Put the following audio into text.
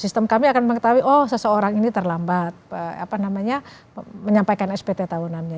sistem kami akan mengetahui oh seseorang ini terlambat menyampaikan spt tahunannya